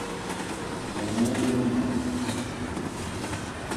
Kü ôlun,